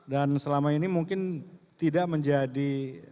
selama ini mungkin tidak menjadi